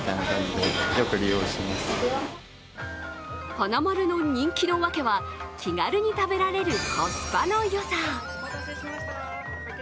はなまるの人気のわけは気軽に食べられるコスパのよさ。